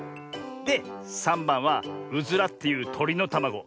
で３ばんはウズラっていうとりのたまご。